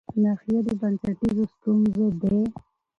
ناحيو د بنسټيزو ستونزو د